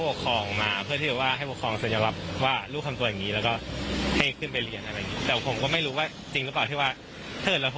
ของผมมีคนไม่ได้ติดต่อ